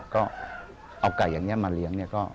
ก็เอาไก่อย่างนี้มาเลี้ยงเนี่ยก็